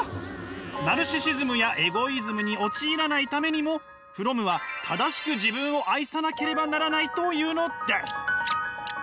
ナルシシズムやエゴイズムに陥らないためにもフロムは「正しく自分を愛さなければならない」というのです。